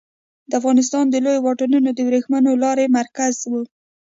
افغانستان د لویو واټونو د ورېښمو لارې مرکز و